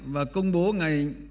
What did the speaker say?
và công bố ngày